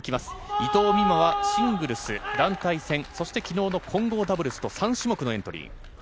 伊藤美誠はシングルス、団体戦、そして昨日の混合ダブルスと３種目のエントリー。